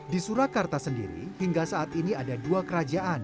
di surakarta sendiri hingga saat ini ada dua kerajaan